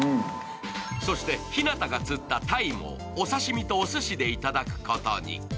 そして日向が釣ったたいもお刺身とおすしでいただくことに。